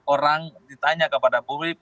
orang ditanya kepada publik